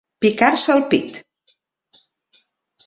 Picar-se el pit.